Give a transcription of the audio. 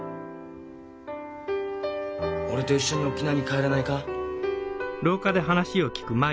俺と一緒に沖縄に帰らないか？